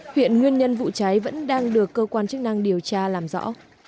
hiện nguyên nhân vụ cháy vẫn đang được cơ quan chức năng điều tra làm rõ